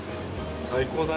最高？